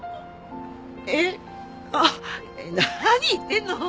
えっあっ何言ってんの！